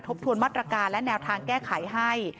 ทวนมาตรการและแนวทางแก้ไขให้